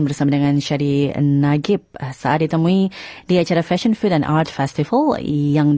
bang shadi nagib sampai jumpa ya